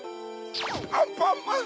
アンパンマン！